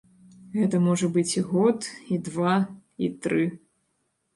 Гэта можа быць і год, і два, і тры.